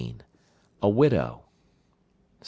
A widow. 17.